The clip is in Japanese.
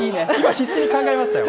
必死に考えましたよ。